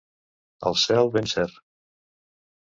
El cel ben ser